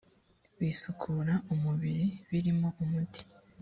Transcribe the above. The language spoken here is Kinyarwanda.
bisukura umubiri birimo umuti